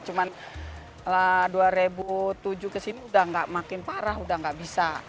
cuman dua ribu tujuh kesini udah makin parah udah gak bisa